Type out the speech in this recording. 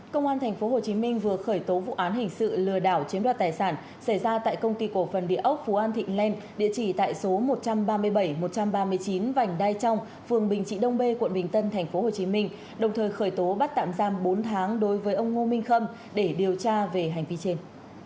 công an tp hcm vừa khởi tố vụ án hình sự lừa đảo chiếm đoạt tài sản xảy ra tại công ty cổ phần địa ốc phú an thịnh lên địa chỉ tại số một trăm ba mươi bảy một trăm ba mươi chín vành đai trong phường bình trị đông b quận bình tân tp hcm đồng thời khởi tố bắt tạm giam bốn tháng đối với ông ngô minh khâm để điều tra về hành vi trên